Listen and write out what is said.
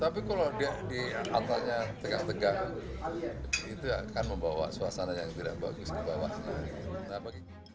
tapi kalau diantaranya tegak tegak itu akan membawa suasana yang tidak bagus di bawahnya